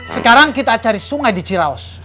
sekarang kita cari sungai di ciraos